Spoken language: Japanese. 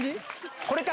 これか！